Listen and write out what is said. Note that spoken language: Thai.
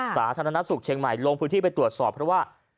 สาธารณสุขเชียงใหม่ลงพื้นที่ไปตรวจสอบเพราะว่า